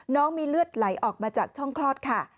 น้องมีเลือดไหลออกมาจากช่องคลอดค่ะ